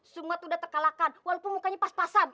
semua tuh udah terkalahkan walaupun mukanya pas pasan tau gak